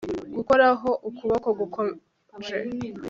Gukoraho ukuboko gukonje